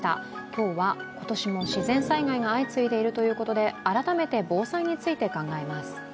今日は今年も自然災害が相次いでいるということで改めて防災について考えます。